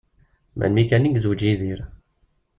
Melmi kan i yezweǧ Yidir.